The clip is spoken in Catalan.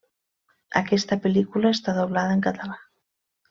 Aquesta pel·lícula està doblada en català.